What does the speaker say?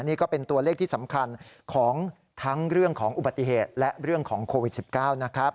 นี่ก็เป็นตัวเลขที่สำคัญของทั้งเรื่องของอุบัติเหตุและเรื่องของโควิด๑๙นะครับ